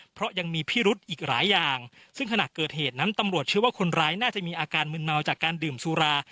เพราะยังมีพิรุธอีกหลายอย่างซึ่งขณะเกิดเหตุนั้นตำรวจเชื่อว่าคนร้ายน่าจะมีอาการมึนเมาจากการดื่มสุรา